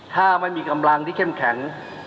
ถ้าไม่มีกำลังที่เข้มแข็ง